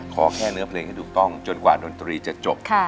ขอแค่เนื้อเพลงให้ถูกต้องจนกว่าดนตรีจะจบ